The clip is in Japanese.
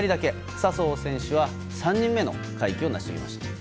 笹生選手は３人目の快挙を成し遂げました。